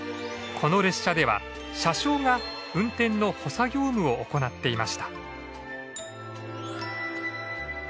この列車では車掌が運転の補佐業務を行っていました。